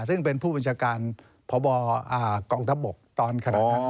ซึ่งเป็นผู้บัญชาการพบกองทัพบกตอนขณะนั้น